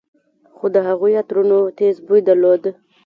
خو د هغوى عطرونو تېز بوى درلود.